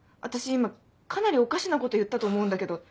今かなりおかしなこと言ったと思うんだけど。